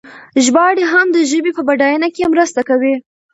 ژباړې هم د ژبې په بډاینه کې مرسته کوي.